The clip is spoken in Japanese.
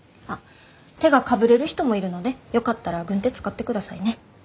手がかぶれる人もいるのでよかったら軍手使ってくださいね。